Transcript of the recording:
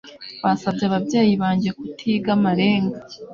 basabye ababyeyi banjye kutiga amarenga